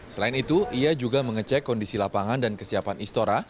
selain itu ia juga mengecek kondisi lapangan dan kesiapan istora